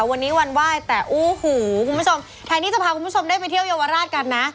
วันนี้วันว่ายแต่แถมที่จะพาคุณผู้ชมไปเที่ยวยาวาราชกันนะ